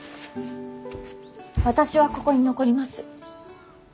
私はここに残ります。